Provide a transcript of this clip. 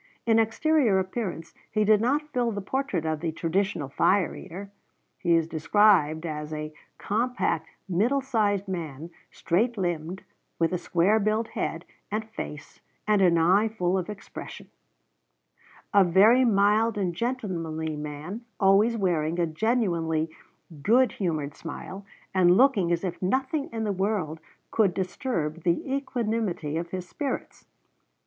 In exterior appearance he did not fill the portrait of the traditional fire eater. He is described as "a compact middle sized man, straight limbed, with a square built head and face, and an eye full of expression"; "a very mild and gentlemanly man, always wearing a genuinely good humored smile, and looking as if nothing in the world could disturb the equanimity of his spirits."